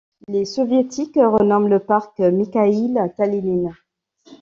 Les Soviétiques renomment le parc Mikhaïl Kalinine.